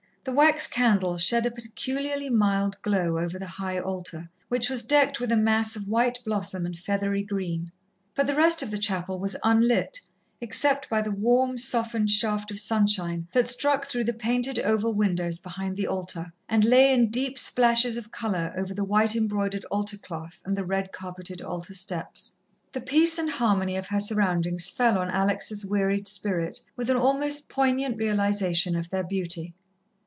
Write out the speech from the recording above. The wax candles shed a peculiarly mild glow over the High Altar, which was decked with a mass of white blossom and feathery green, but the rest of the chapel was unlit except by the warm, softened shaft of sunshine that struck through the painted oval windows behind the altar, and lay in deep splashes of colour over the white embroidered altar cloth and the red carpeted altar steps. The peace and harmony of her surroundings fell on Alex' wearied spirit with an almost poignant realization of their beauty.